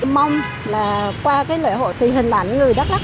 mong là qua cái lễ hội thì hình ảnh người đắk lắc